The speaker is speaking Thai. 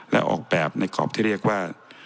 และออกแบบในกรอบที่เรียกว่า